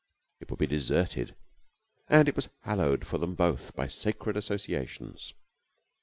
It would be deserted and it was hallowed for them both by sacred associations.